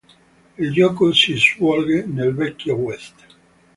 Il gioco si svolge nel vecchio west.